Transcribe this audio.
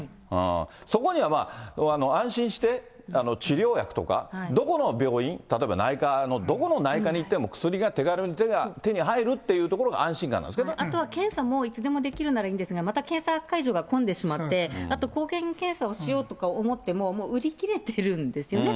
そこには安心して治療薬とか、どこの病院、例えば内科の、どこの内科に行っても、薬が手軽に手に入るというところが安心感なんであとは検査も、いつでもできるならいいんですが、また検査会場が混んでしまって、あと抗原検査をしようとか思っても、もう売り切れてるんですよね。